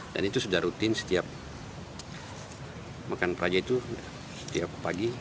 dan itu sudah rutin setiap makan peraja itu setiap pagi